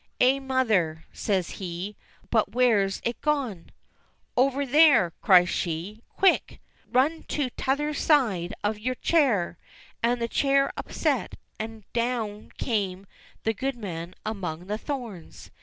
"Aye, mother !" says he, "but where's it gone .?" "Over there!" cries she. "Quick! run to tother side o' yon chair." And the chair upset, and down came the goodman among the thorns.